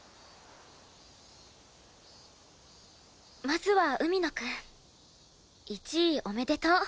まずは海野くん１位おめでとう。